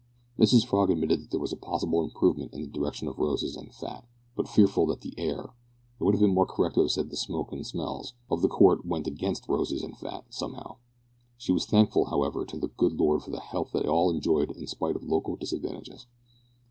Mrs Frog admitted that there was possible improvement in the direction of roses and fat, but feared that the air, (it would have been more correct to have said the smoke and smells), of the court went against roses and fat, somehow. She was thankful, however, to the good Lord for the health they all enjoyed in spite of local disadvantages.